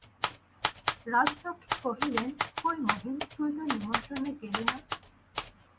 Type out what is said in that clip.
রাজলক্ষ্মী কহিলেন, কই মহিন, তুই তোর নিমন্ত্রণে গেলি না?